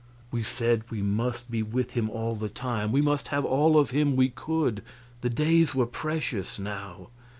We said we must be with him all the time; we must have all of him we could; the days were precious now.